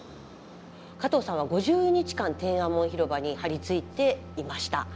加藤さんは５０日間天安門広場に張り付いていました。